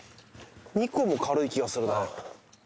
２個も軽い気がするな。